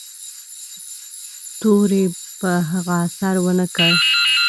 تورې په هغه اثر و نه کړ.